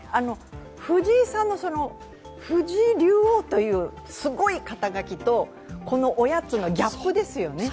藤井さんの藤井竜王というすごい肩書とこのおやつのギャップですよね